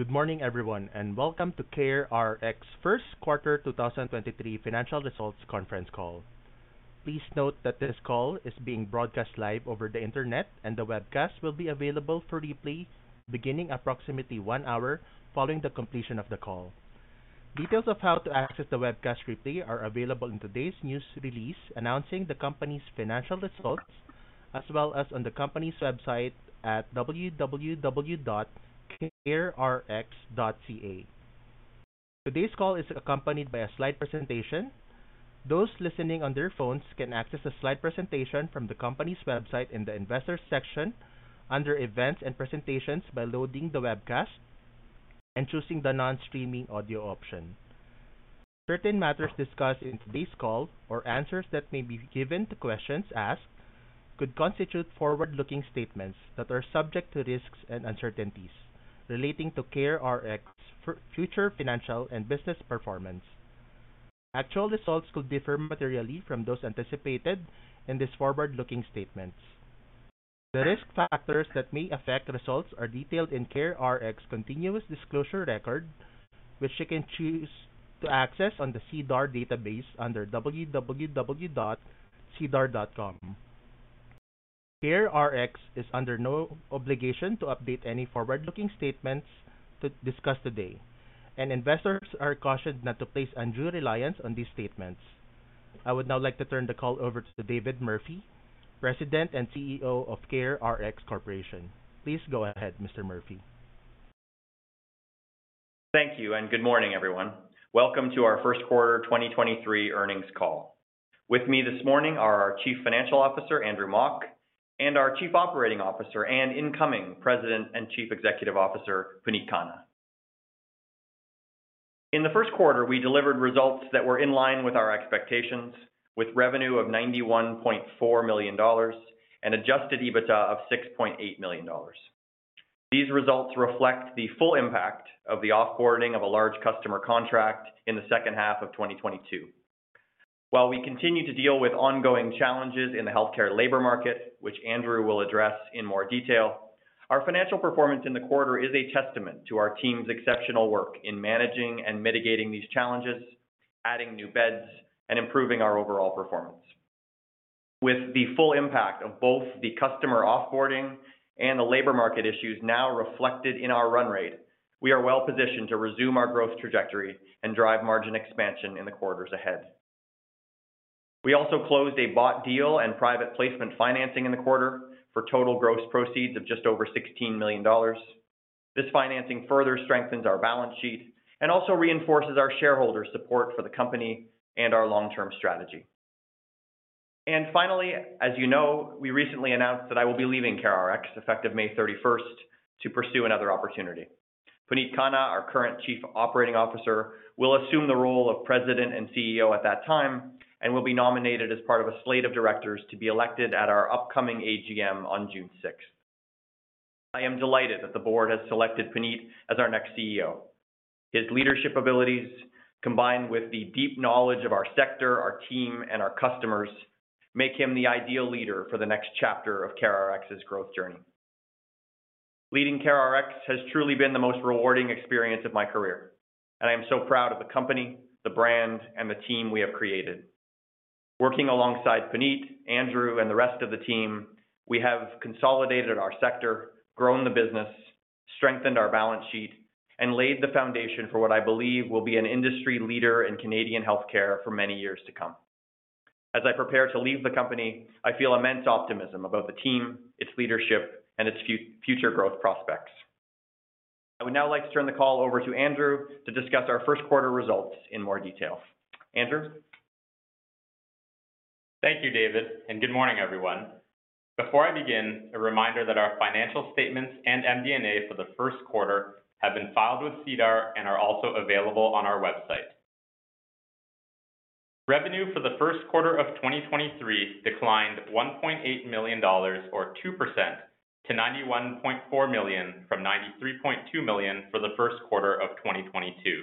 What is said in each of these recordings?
Good morning, everyone, welcome to CareRx First Quarter 2023 Financial Results Conference Call. Please note that this call is being broadcast live over the internet, the webcast will be available for replay beginning approximately one hour following the completion of the call. Details of how to access the webcast replay are available in today's news release announcing the company's financial results as well as on the company's website at www.carerx.ca. Today's call is accompanied by a slide presentation. Those listening on their phones can access the slide presentation from the company's website in the Investors section under Events and Presentations by loading the webcast and choosing the non-streaming audio option. Certain matters discussed in today's call or answers that may be given to questions asked could constitute forward-looking statements that are subject to risks and uncertainties relating to CareRx future financial and business performance. Actual results could differ materially from those anticipated in these forward-looking statements. The risk factors that may affect results are detailed in CareRx continuous disclosure record, which you can choose to access on the SEDAR database under www.sedar.com. CareRx is under no obligation to update any forward-looking statements to discuss today, and investors are cautioned not to place undue reliance on these statements. I would now like to turn the call over to David Murphy, President and CEO of CareRx Corporation. Please go ahead, Mr. Murphy. Thank you, and good morning, everyone. Welcome to our first quarter 2023 earnings call. With me this morning are our Chief Financial Officer, Andrew Mok, and our Chief Operating Officer and incoming President and Chief Executive Officer, Puneet Khanna. In the first quarter, we delivered results that were in line with our expectations, with revenue of 91.4 million dollars and Adjusted EBITDA of 6.8 million dollars. These results reflect the full impact of the off-boarding of a large customer contract in the second half of 2022. While we continue to deal with ongoing challenges in the healthcare labor market, which Andrew will address in more detail, our financial performance in the quarter is a testament to our team's exceptional work in managing and mitigating these challenges, adding new beds, and improving our overall performance. With the full impact of both the customer off-boarding and the labor market issues now reflected in our run rate, we are well positioned to resume our growth trajectory and drive margin expansion in the quarters ahead. We also closed a bought deal and private placement financing in the quarter for total gross proceeds of just over 16 million dollars. This financing further strengthens our balance sheet and also reinforces our shareholder support for the company and our long-term strategy. Finally, as you know, we recently announced that I will be leaving CareRx effective May 31st to pursue another opportunity. Puneet Khanna, our current Chief Operating Officer, will assume the role of President and CEO at that time and will be nominated as part of a slate of directors to be elected at our upcoming AGM on June 6th. I am delighted that the board has selected Puneet as our next CEO. His leadership abilities, combined with the deep knowledge of our sector, our team, and our customers, make him the ideal leader for the next chapter of CareRx's growth journey. Leading CareRx has truly been the most rewarding experience of my career. I am so proud of the company, the brand, and the team we have created. Working alongside Puneet, Andrew, and the rest of the team, we have consolidated our sector, grown the business, strengthened our balance sheet, and laid the foundation for what I believe will be an industry leader in Canadian healthcare for many years to come. As I prepare to leave the company, I feel immense optimism about the team, its leadership, and its future growth prospects. I would now like to turn the call over to Andrew to discuss our first quarter results in more detail. Andrew. Thank you, David, and good morning, everyone. Before I begin, a reminder that our financial statements and MD&A for the first quarter have been filed with SEDAR and are also available on our website. Revenue for the first quarter of 2023 declined 1.8 million dollars or 2% to 91.4 million from 93.2 million for the first quarter of 2022.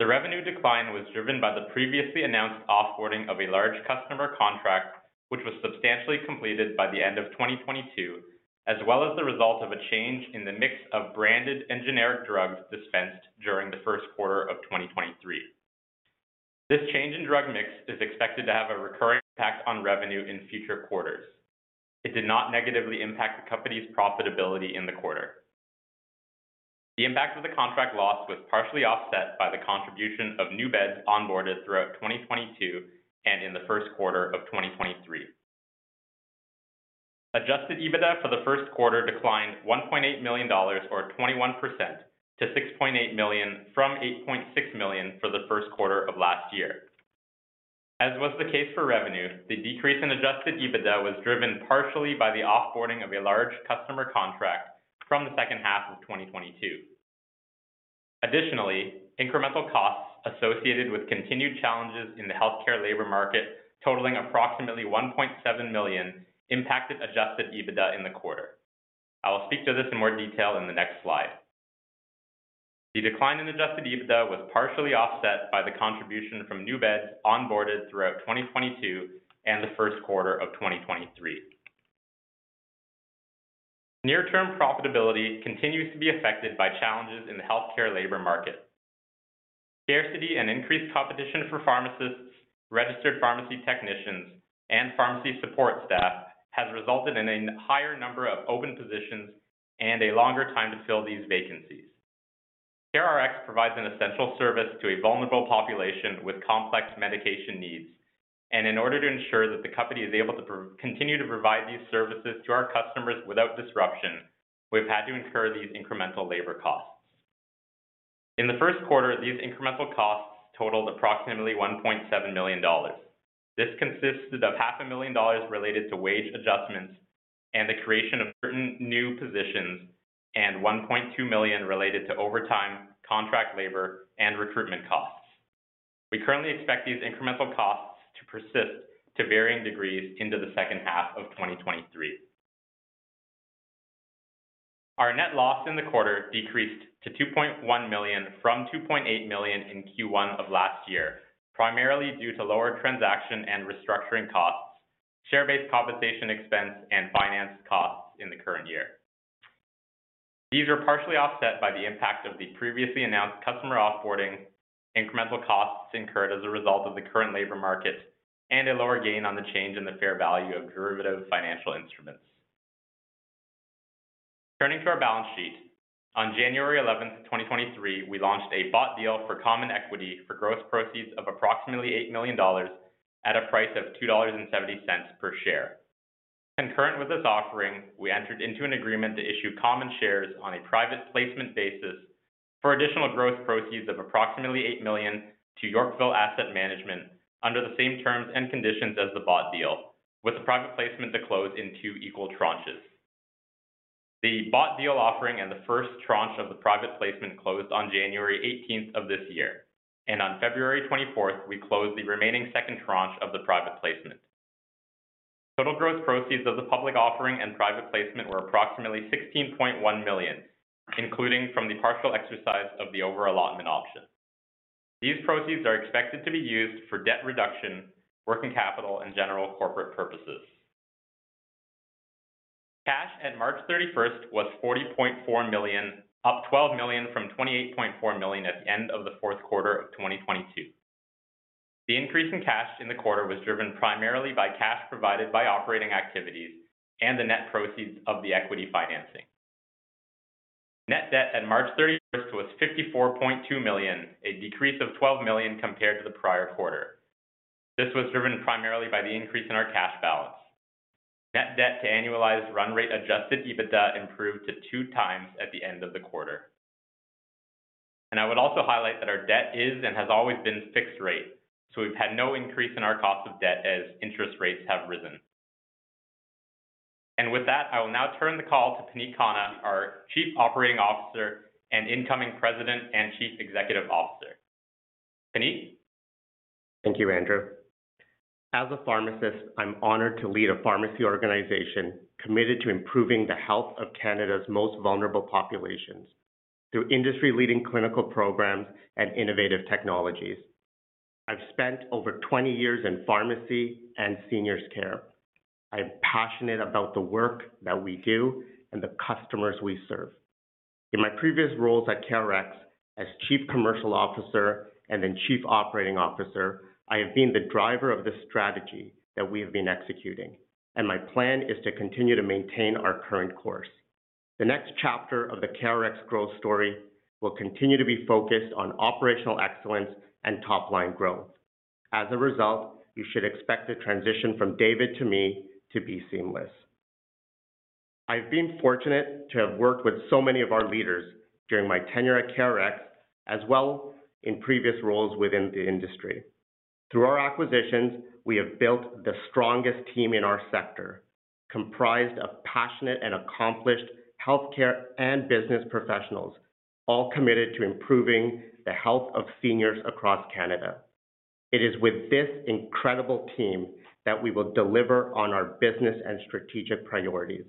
The revenue decline was driven by the previously announced off-boarding of a large customer contract, which was substantially completed by the end of 2022, as well as the result of a change in the mix of branded and generic drugs dispensed during the first quarter of 2023. This change in drug mix is expected to have a recurring impact on revenue in future quarters. It did not negatively impact the company's profitability in the quarter. The impact of the contract loss was partially offset by the contribution of new beds onboarded throughout 2022 and in the first quarter of 2023. Adjusted EBITDA for the first quarter declined 1.8 million dollars or 21% to 6.8 million from 8.6 million for the first quarter of last year. As was the case for revenue, the decrease in Adjusted EBITDA was driven partially by the off-boarding of a large customer contract from the second half of 2022. Additionally, incremental costs associated with continued challenges in the healthcare labor market totaling approximately 1.7 million impacted Adjusted EBITDA in the quarter. I will speak to this in more detail in the next slide. The decline in Adjusted EBITDA was partially offset by the contribution from new beds onboarded throughout 2022 and the first quarter of 2023. Near-term profitability continues to be affected by challenges in the healthcare labor market. Scarcity and increased competition for pharmacists, registered pharmacy technicians, and pharmacy support staff has resulted in a higher number of open positions and a longer time to fill these vacancies. CareRx provides an essential service to a vulnerable population with complex medication needs, and in order to ensure that the company is able to continue to provide these services to our customers without disruption, we've had to incur these incremental labor costs. In the first quarter, these incremental costs totaled approximately 1.7 million dollars. This consisted of half a million dollars related to wage adjustments and the creation of certain new positions, and 1.2 million related to overtime, contract labor, and recruitment costs. We currently expect these incremental costs to persist to varying degrees into the second half of 2023. Our net loss in the quarter decreased to 2.1 million from 2.8 million in Q1 of last year, primarily due to lower transaction and restructuring costs, share-based compensation expense, and finance costs in the current year. These were partially offset by the impact of the previously announced customer off-boarding, incremental costs incurred as a result of the current labor market, and a lower gain on the change in the fair value of derivative financial instruments. Turning to our balance sheet, on January 11, 2023, we launched a bought deal for common equity for gross proceeds of approximately 8 million dollars at a price of 2.70 dollars per share. Concurrent with this offering, we entered into an agreement to issue common shares on a private placement basis for additional gross proceeds of approximately 8 million to Yorkville Asset Management under the same terms and conditions as the bought deal, with the private placement to close in two equal tranches. The bought deal offering and the first tranche of the private placement closed on January 18th of this year, and on February 24th, we closed the remaining second tranche of the private placement. Total gross proceeds of the public offering and private placement were approximately 16.1 million, including from the partial exercise of the over-allotment option. These proceeds are expected to be used for debt reduction, working capital, and general corporate purposes. Cash at March 31st was 40.4 million, up 12 million from 28.4 million at the end of the fourth quarter of 2022. The increase in cash in the quarter was driven primarily by cash provided by operating activities and the net proceeds of the equity financing. Net debt at March 31st was 54.2 million, a decrease of 12 million compared to the prior quarter. This was driven primarily by the increase in our cash balance. Net debt to annualized run rate Adjusted EBITDA improved to 2x at the end of the quarter. I would also highlight that our debt is and has always been fixed rate, so we've had no increase in our cost of debt as interest rates have risen. With that, I will now turn the call to Puneet Khanna, our Chief Operating Officer and incoming President and Chief Executive Officer. Puneet. Thank you, Andrew. As a pharmacist, I'm honored to lead a pharmacy organization committed to improving the health of Canada's most vulnerable populations through industry-leading clinical programs and innovative technologies. I've spent over 20 years in pharmacy and seniors care. I'm passionate about the work that we do and the customers we serve. In my previous roles at CareRx as Chief Commercial Officer and then Chief Operating Officer, I have been the driver of the strategy that we have been executing. My plan is to continue to maintain our current course. The next chapter of the CareRx growth story will continue to be focused on operational excellence and top-line growth. As a result, you should expect the transition from David to me to be seamless. I've been fortunate to have worked with so many of our leaders during my tenure at CareRx, as well in previous roles within the industry. Through our acquisitions, we have built the strongest team in our sector, comprised of passionate and accomplished healthcare and business professionals, all committed to improving the health of seniors across Canada. It is with this incredible team that we will deliver on our business and strategic priorities.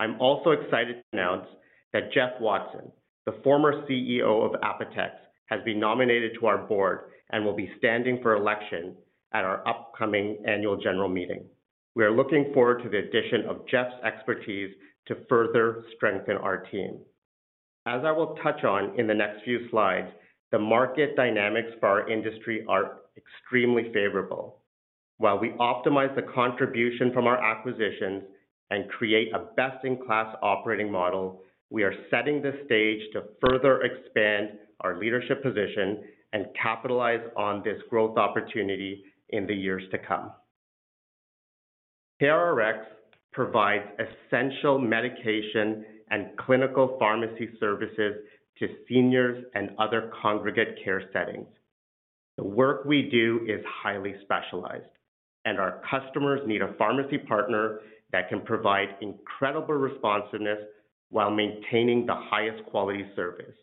I'm also excited to announce that Jeff Watson, the former CEO of Apotex, has been nominated to our board and will be standing for election at our upcoming annual general meeting. We are looking forward to the addition of Jeff's expertise to further strengthen our team. As I will touch on in the next few slides, the market dynamics for our industry are extremely favorable. While we optimize the contribution from our acquisitions and create a best-in-class operating model, we are setting the stage to further expand our leadership position and capitalize on this growth opportunity in the years to come. CareRx provides essential medication and clinical pharmacy services to seniors and other congregate care settings. The work we do is highly specialized, and our customers need a pharmacy partner that can provide incredible responsiveness while maintaining the highest quality service.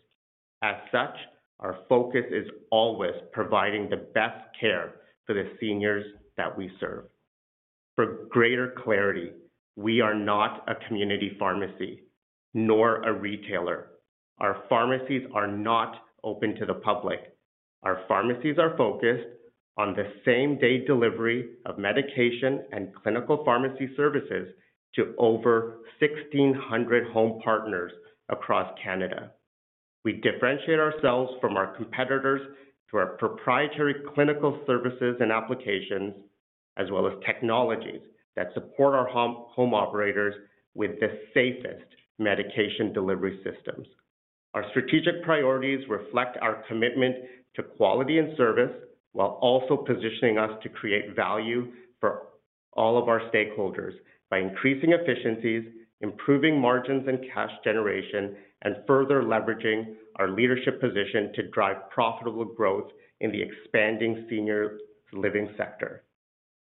As such, our focus is always providing the best care for the seniors that we serve. For greater clarity, we are not a community pharmacy nor a retailer. Our pharmacies are not open to the public. Our pharmacies are focused on the same-day delivery of medication and clinical pharmacy services to over 1,600 home partners across Canada. We differentiate ourselves from our competitors through our proprietary clinical services and applications, as well as technologies that support our home operators with the safest medication delivery systems. Our strategic priorities reflect our commitment to quality and service, while also positioning us to create value for all of our stakeholders by increasing efficiencies, improving margins and cash generation, and further leveraging our leadership position to drive profitable growth in the expanding senior living sector.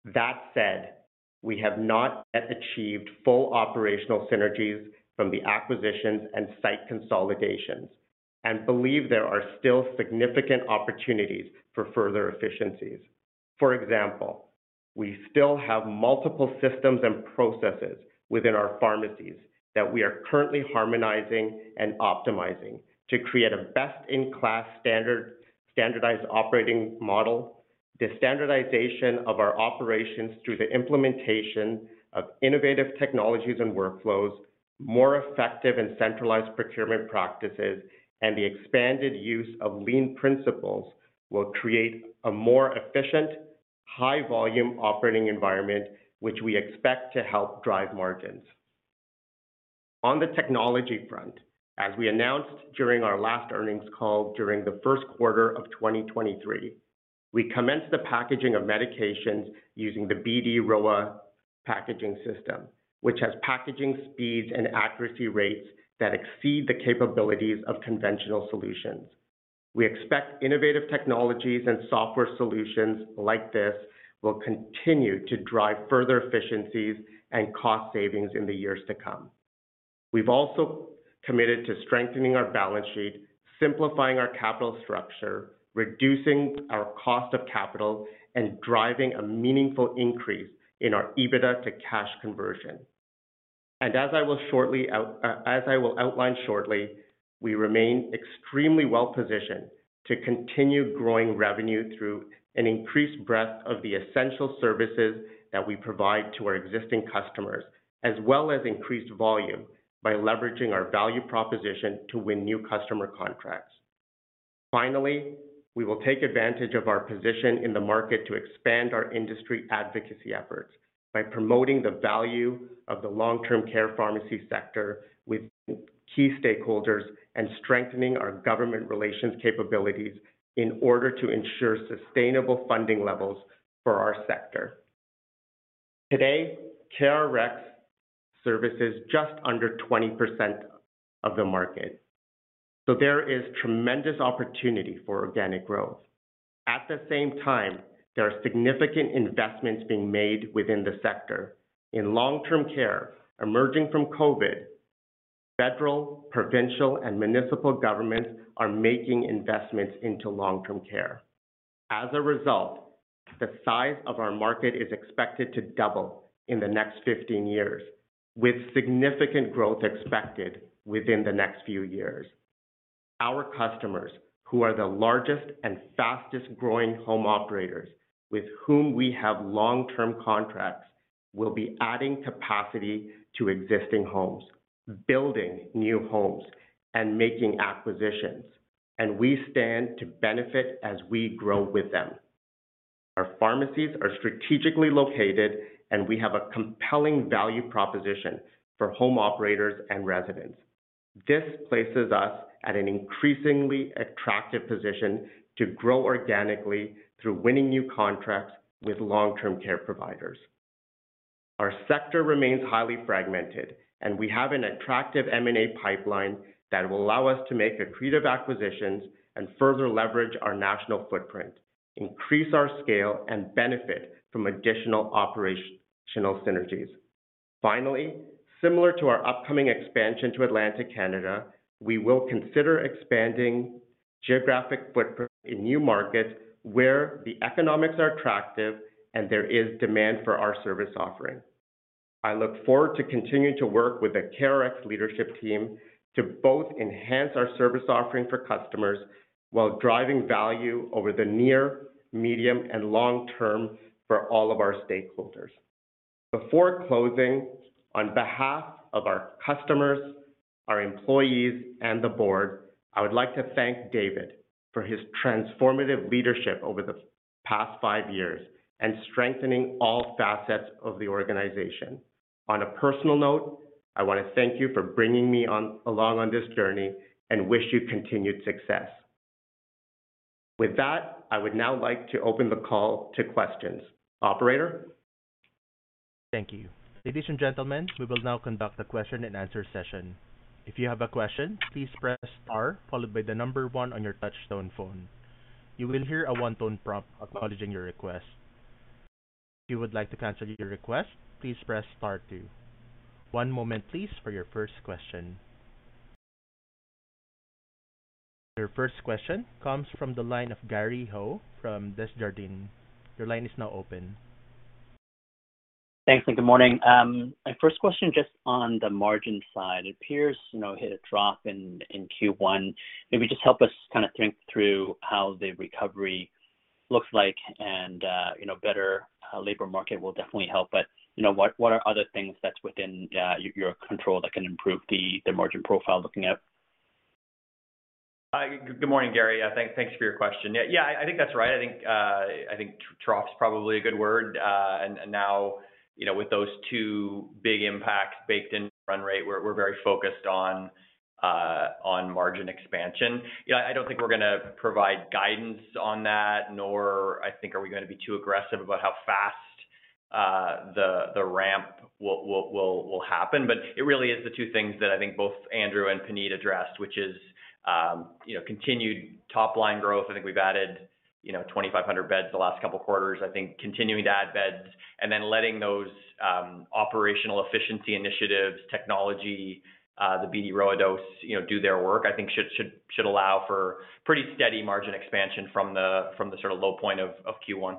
That said, we have not yet achieved full operational synergies from the acquisitions and site consolidations and believe there are still significant opportunities for further efficiencies. For example, we still have multiple systems and processes within our pharmacies that we are currently harmonizing and optimizing to create a best-in-class standardized operating model. The standardization of our operations through the implementation of innovative technologies and workflows, more effective and centralized procurement practices, and the expanded use of lean principles will create a more efficient, high volume operating environment which we expect to help drive margins. On the technology front, as we announced during our last earnings call during the first quarter of 2023, we commenced the packaging of medications using the BD Rowa packaging system, which has packaging speeds and accuracy rates that exceed the capabilities of conventional solutions. We expect innovative technologies and software solutions like this will continue to drive further efficiencies and cost savings in the years to come. We've also committed to strengthening our balance sheet, simplifying our capital structure, reducing our cost of capital, and driving a meaningful increase in our EBITDA to cash conversion. As I will outline shortly, we remain extremely well-positioned to continue growing revenue through an increased breadth of the essential services that we provide to our existing customers, as well as increased volume by leveraging our value proposition to win new customer contracts. Finally, we will take advantage of our position in the market to expand our industry advocacy efforts by promoting the value of the long-term care pharmacy sector with key stakeholders and strengthening our government relations capabilities in order to ensure sustainable funding levels for our sector. Today, CareRx services just under 20% of the market, so there is tremendous opportunity for organic growth. At the same time, there are significant investments being made within the sector. In long-term care, emerging from COVID, federal, provincial, and municipal governments are making investments into long-term care. As a result, the size of our market is expected to double in the next 15 years, with significant growth expected within the next few years. Our customers, who are the largest and fastest-growing home operators with whom we have long-term contracts, will be adding capacity to existing homes, building new homes, and making acquisitions, and we stand to benefit as we grow with them. Our pharmacies are strategically located, and we have a compelling value proposition for home operators and residents. This places us at an increasingly attractive position to grow organically through winning new contracts with long-term care providers. Our sector remains highly fragmented, and we have an attractive M&A pipeline that will allow us to make accretive acquisitions and further leverage our national footprint, increase our scale, and benefit from additional operational synergies. Finally, similar to our upcoming expansion to Atlantic Canada, we will consider expanding geographic footprint in new markets where the economics are attractive and there is demand for our service offering. I look forward to continuing to work with the CareRx leadership team to both enhance our service offering for customers while driving value over the near, medium, and long term for all of our stakeholders. Before closing, on behalf of our customers, our employees, and the board, I would like to thank David for his transformative leadership over the past five years and strengthening all facets of the organization. On a personal note, I want to thank you for bringing me along on this journey and wish you continued success. With that, I would now like to open the call to questions. Operator? Thank you. Ladies and gentlemen, we will now conduct a question and answer session. If you have a question, please press star followed by one on your touch tone phone. You will hear a one-tone prompt acknowledging your request. If you would like to cancel your request, please press star two. One moment please for your first question. Your first question comes from the line of Gary Ho from Desjardins. Your line is now open. Thanks, and good morning. My first question, just on the margin side. It appears, you know, hit a trough in Q1. Maybe just help us kinda think through how the recovery looks like, and, you know, better labor market will definitely help. You know, what are other things that's within your control that can improve the margin profile looking at? Hi. Good morning, Gary. Thanks for your question. Yeah. I think that's right. I think trough's probably a good word. Now, you know, with those two big impacts baked into run rate, we're very focused on margin expansion. You know, I don't think we're gonna provide guidance on that, nor I think are we gonna be too aggressive about how fast the ramp will happen. It really is the two things that I think both Andrew and Puneet addressed, which is, you know, continued top line growth. I think we've added, you know, 2,500 beds the last couple quarters. I think continuing to add beds and then letting those, operational efficiency initiatives, technology, the BD Rowa Dose, you know, do their work, I think should allow for pretty steady margin expansion from the sort of low point of Q1.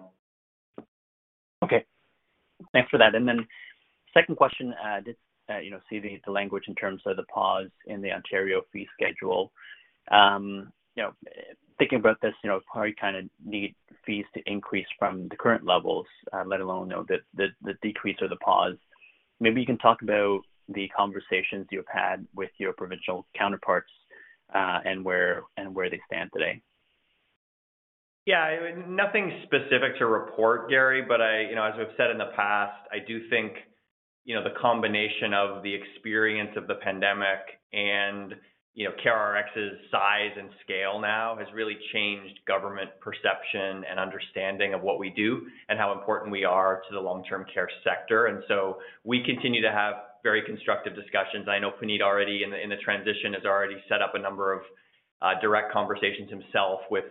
Okay. Thanks for that. Second question. Did, you know, see the language in terms of the pause in the Ontario fee schedule. You know, thinking about this, you know, probably kinda need fees to increase from the current levels, let alone, you know, the decrease or the pause. Maybe you can talk about the conversations you've had with your provincial counterparts, and where they stand today. Yeah. I mean, nothing specific to report, Gary. You know, as we've said in the past, I do think, you know, the combination of the experience of the pandemic and, you know, CareRx's size and scale now has really changed government perception and understanding of what we do and how important we are to the long-term care sector. We continue to have very constructive discussions. I know Puneet already in the transition, has already set up a number of direct conversations himself with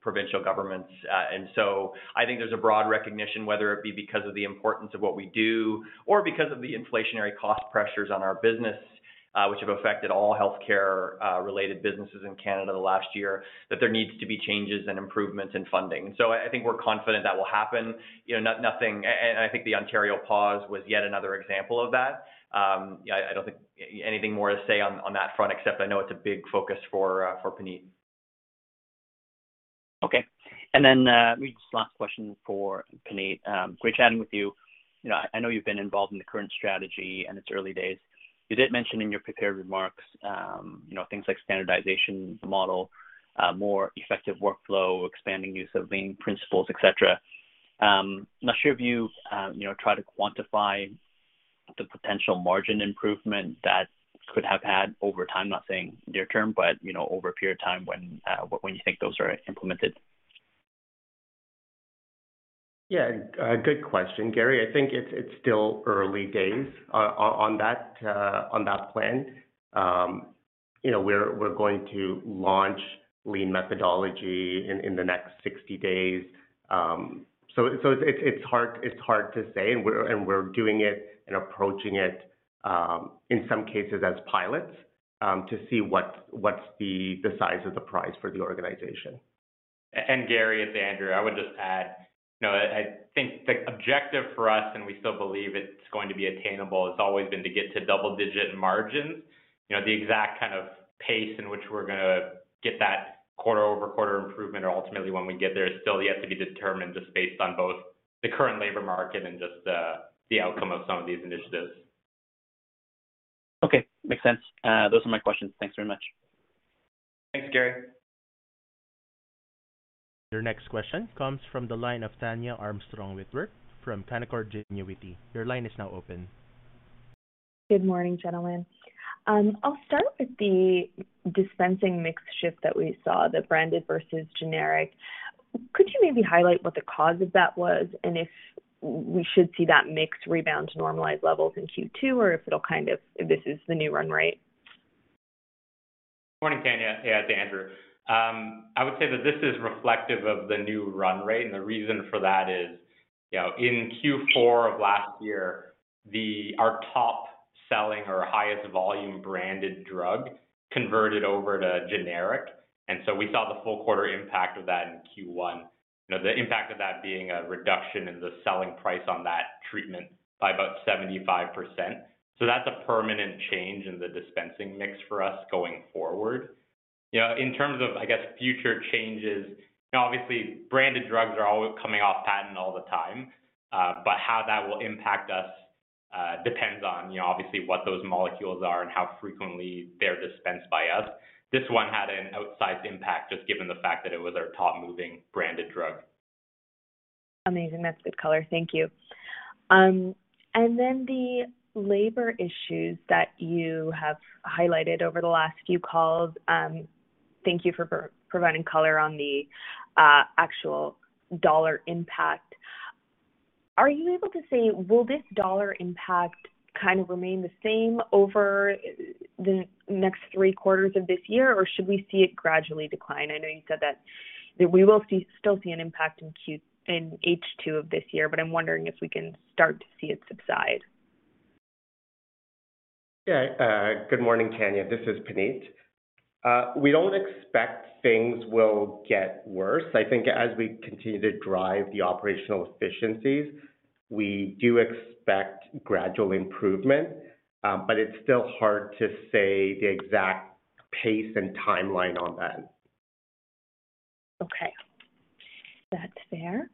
provincial governments. I think there's a broad recognition, whether it be because of the importance of what we do or because of the inflationary cost pressures on our business, which have affected all healthcare related businesses in Canada in the last year, that there needs to be changes and improvements in funding. I think we're confident that will happen. You know, I think the Ontario pause was yet another example of that. Yeah, I don't think anything more to say on that front, except I know it's a big focus for Puneet. Okay. Last question for Puneet. Great chatting with you. You know, I know you've been involved in the current strategy and its early days. You did mention in your prepared remarks, you know, things like standardization model, more effective workflow, expanding use of Lean Principles, et cetera. I'm not sure if you've, you know, tried to quantify the potential margin improvement that could have had over time. Not saying near term, but, you know, over a period of time when you think those are implemented. Yeah. A good question, Gary. I think it's still early days on that plan. You know, we're going to launch lean methodology in the next 60 days. It's hard to say. We're doing it and approaching it in some cases as pilots to see what's the size of the prize for the organization. Gary, it's Andrew. I would just add. You know, I think the objective for us, and we still believe it's going to be attainable, has always been to get to double-digit margins. You know, the exact kind of pace in which we're gonna get that quarter-over-quarter improvement or ultimately when we get there is still yet to be determined just based on both the current labor market and just, the outcome of some of these initiatives. Okay. Makes sense. Those are my questions. Thanks very much. Thanks, Gary. Your next question comes from the line of Tania Armstrong-Whitworth from Canaccord Genuity. Your line is now open. Good morning, gentlemen. I'll start with the dispensing mix shift that we saw, the branded versus generic. Could you maybe highlight what the cause of that was and if we should see that mix rebound to normalized levels in Q2 or if this is the new run rate? Morning, Tania. Yeah, it's Andrew. I would say that this is reflective of the new run rate. The reason for that is, you know, in Q4 of last year, our top-selling or highest volume branded drug converted over to generic. We saw the full quarter impact of that in Q1. You know, the impact of that being a reduction in the selling price on that treatment by about 75%. That's a permanent change in the dispensing mix for us going forward. You know, in terms of, I guess, future changes, you know, obviously branded drugs are always coming off patent all the time. How that will impact us depends on, you know, obviously what those molecules are and how frequently they're dispensed by us. This one had an outsized impact just given the fact that it was our top moving branded drug. Amazing. That's good color. Thank you. Then the labor issues that you have highlighted over the last few calls, thank you for providing color on the actual dollar impact. Are you able to say, will this dollar impact kind of remain the same over the next three quarters of this year, or should we see it gradually decline? I know you said that we will still see an impact in H2 of this year, but I'm wondering if we can start to see it subside. Good morning, Tania. This is Puneet. We don't expect things will get worse. I think as we continue to drive the operational efficiencies, we do expect gradual improvement. It's still hard to say the exact pace and timeline on that. Okay. That's fair.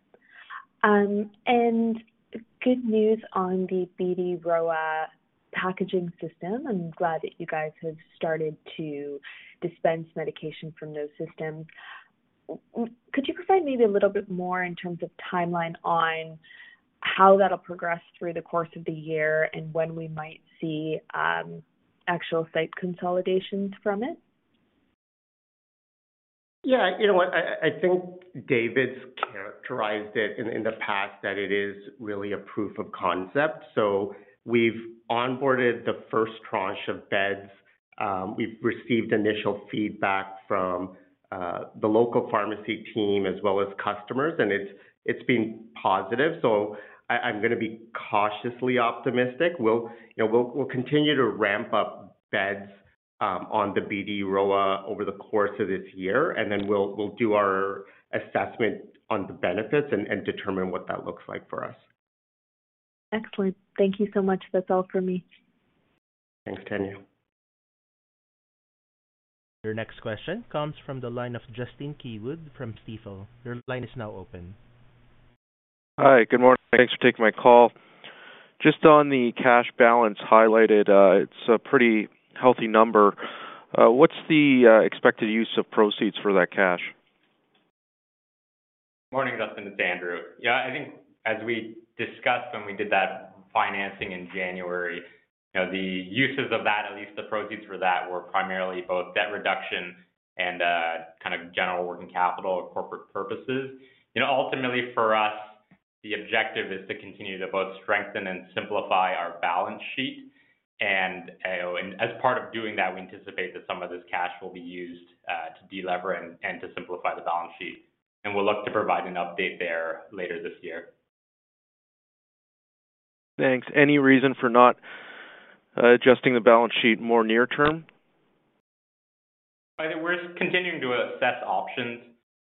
Good news on the BD Rowa packaging system. I'm glad that you guys have started to dispense medication from those systems. Could you provide maybe a little bit more in terms of timeline on how that'll progress through the course of the year and when we might see actual site consolidations from it? Yeah. You know what? I think David's characterized it in the past that it is really a proof of concept. We've onboarded the first tranche of beds. We've received initial feedback from the local pharmacy team as well as customers, and it's been positive. I'm gonna be cautiously optimistic. We'll, you know, we'll continue to ramp up beds on the BD Rowa over the course of this year, and then we'll do our assessment on the benefits and determine what that looks like for us. Excellent. Thank you so much. That's all for me. Thanks, Tania. Your next question comes from the line of Justin Keywood from Stifel. Your line is now open. Hi. Good morning. Thanks for taking my call. Just on the cash balance highlighted, it's a pretty healthy number. What's the expected use of proceeds for that cash? Morning, Justin. It's Andrew. Yeah. I think as we discussed when we did that financing in January, you know, the uses of that, at least the proceeds for that, were primarily both debt reduction and kind of general working capital or corporate purposes. You know, ultimately for us, the objective is to continue to both strengthen and simplify our balance sheet. As part of doing that, we anticipate that some of this cash will be used to delever and to simplify the balance sheet. We'll look to provide an update there later this year. Thanks. Any reason for not adjusting the balance sheet more near term? I think we're continuing to assess options,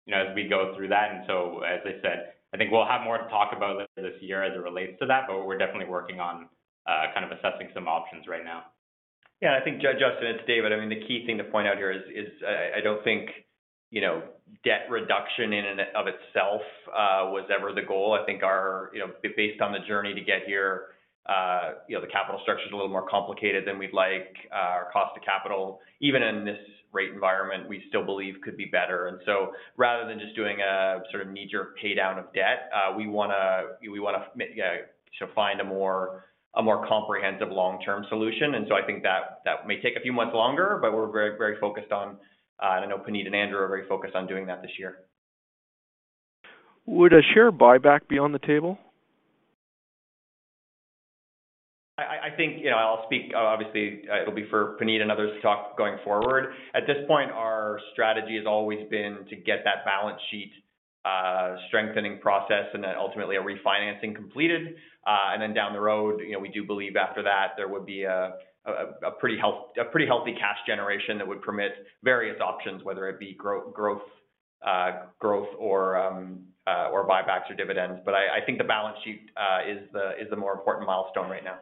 you know, as we go through that. As I said, I think we'll have more to talk about later this year as it relates to that, we're definitely working on kind of assessing some options right now. I think Justin, it's David. I mean, the key thing to point out here is I don't think, you know, debt reduction in and of itself was ever the goal. I think our, you know, based on the journey to get here, you know, the capital structure's a little more complicated than we'd like. Our cost of capital, even in this rate environment, we still believe could be better. Rather than just doing a sort of knee-jerk pay down of debt, we wanna find a more comprehensive long-term solution. I think that may take a few months longer, but we're very, very focused on, I know Puneet and Andrew are very focused on doing that this year. Would a share buyback be on the table? I think, you know, I'll speak. Obviously, it'll be for Puneet and others to talk going forward. At this point, our strategy has always been to get that balance sheet strengthening process and then ultimately a refinancing completed. Down the road, you know, we do believe after that there would be a pretty healthy cash generation that would permit various options, whether it be growth or buybacks or dividends. I think the balance sheet is the more important milestone right now.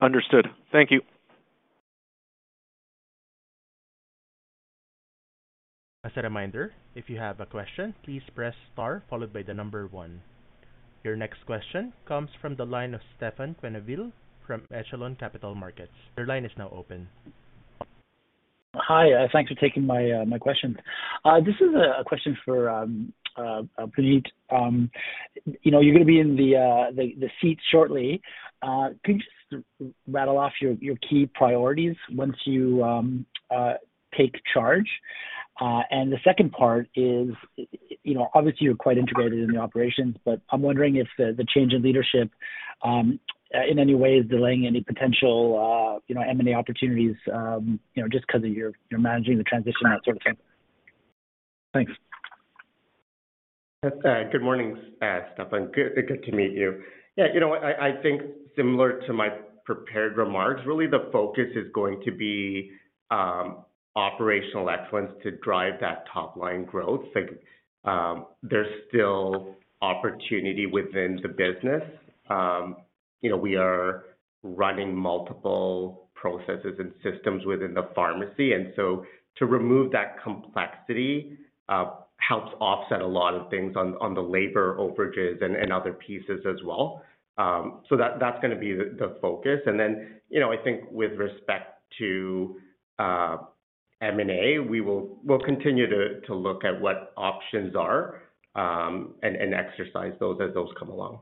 Understood. Thank you. As a reminder, if you have a question, please press star followed by the number one. Your next question comes from the line of Stefan Quenneville from Echelon Capital Markets. Your line is now open. Hi. Thanks for taking my question. This is a question for Puneet. You know, you're gonna be in the seat shortly. Could you just rattle off your key priorities once you take charge? The second part is, you know, obviously you're quite integrated in the operations, but I'm wondering if the change in leadership in any way is delaying any potential, you know, M&A opportunities, you know, just 'cause of your managing the transition, that sort of thing. Thanks. Good morning, Stefan. Good to meet you. Yeah. You know what? I think similar to my prepared remarks, really the focus is going to be operational excellence to drive that top-line growth. Like, there's still opportunity within the business. You know, we are running multiple processes and systems within the pharmacy, to remove that complexity, helps offset a lot of things on the labor overages and other pieces as well. That's gonna be the focus. Then, you know, I think with respect to M&A, we'll continue to look at what options are, and exercise those as those come along.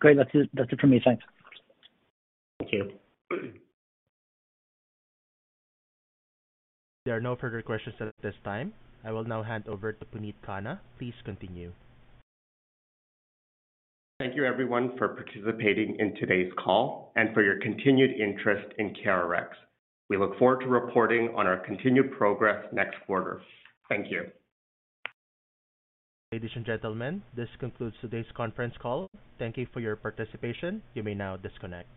Great. That's it. That's it for me. Thanks. Thank you. There are no further questions at this time. I will now hand over to Puneet Khanna. Please continue. Thank you everyone for participating in today's call and for your continued interest in CareRx. We look forward to reporting on our continued progress next quarter. Thank you. Ladies and gentlemen, this concludes today's conference call. Thank you for your participation. You may now disconnect.